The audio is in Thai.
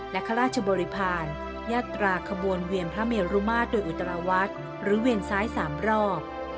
และข้าราชบริพาณญาตราขบวนเวียนพระเมรุมาตรโดยอุตราวัดหรือเวียนซ้าย๓รอบ